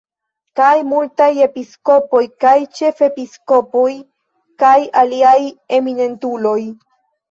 Kaj multaj episkopoj kaj ĉefepiskopoj kaj aliaj eminentuloj.